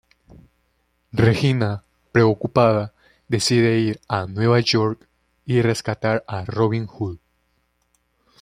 Regina, preocupada, decide ir a Nueva York y rescatar a Robin Hood.